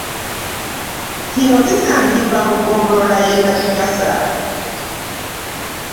Kino kisangibwa mu ggombolola ye Nabigasa